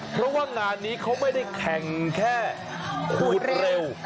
เพราะว่างานนี้เขาไม่ได้แข่งแค่ขูดเร็ว